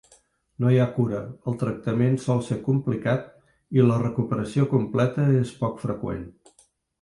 No hi ha cura, el tractament sol ser complicat i la recuperació completa és poc freqüent.